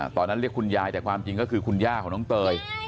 ตอนนั้นเรียกคุณยายแต่ความจริงก็คือคุณย่าของน้องเตย